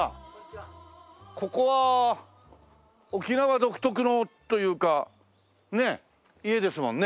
ここは沖縄独特のというかねえ家ですもんね。